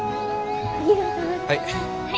はい。